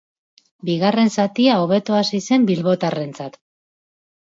Bigarren zatia hobeto hasi zen bilbotarrentzat.